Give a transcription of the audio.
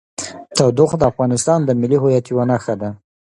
تودوخه د افغانستان د ملي هویت یوه نښه ده.